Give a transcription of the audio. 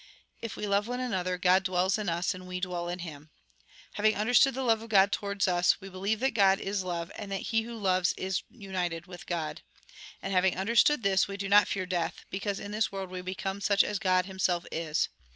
If we love one another, God dwells in us, and we dwell in Him. Having understood the love of God towards us, we believe that God is love, and that he who loves is united with God. And having understood this, we do not fear death, because in this world we become such as God Himself is.